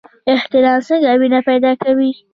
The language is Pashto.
احترام څنګه مینه پیدا کوي؟